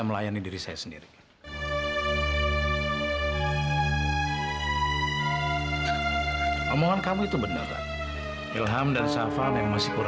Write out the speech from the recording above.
macam macem denganku atau dengan keluarga aku